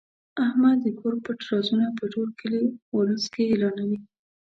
احمد د کور پټ رازونه په ټول کلي اولس کې اعلانوي.